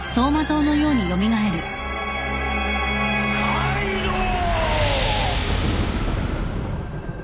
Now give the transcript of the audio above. カイドウ！